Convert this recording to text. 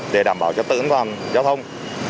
để đảm bảo trật tự an toàn giao thông